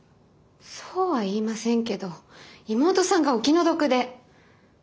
そうは言いませんけど妹さんがお気の毒で。